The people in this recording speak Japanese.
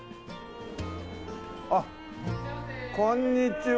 あっこんにちは。